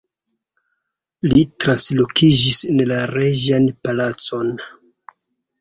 Li translokiĝis en la reĝan palacon.